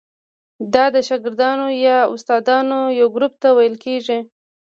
دا د شاګردانو یا استادانو یو ګروپ ته ویل کیږي.